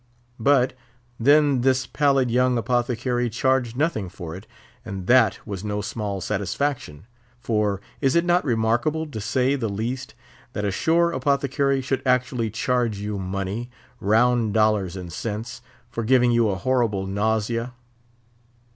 But, then, this pallid young apothecary charged nothing for it, and that was no small satisfaction; for is it not remarkable, to say the least, that a shore apothecary should actually charge you money—round dollars and cents—for giving you a horrible nausea?